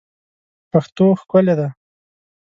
پښتو ښکلې ده